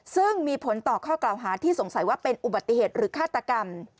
ซึ่งมีผลต่อข้อกล่าวหาที่สงสัยว่าเป็นอุบัติเหตุหรือฆาตกรรม